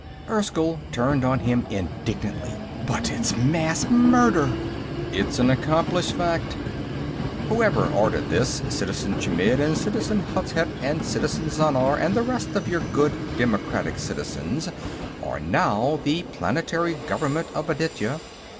Erskyll turned on him indignantly. "But it's mass murder!" "It's an accomplished fact. Whoever ordered this, Citizen Chmidd and Citizen Hozhet and Citizen Zhannar and the rest of your good democratic citizens, are now the planetary government of Aditya.